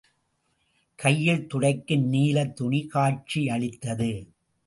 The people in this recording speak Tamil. கையில் துடைக்கும் நீலத் துணி காட்சியளித்தது.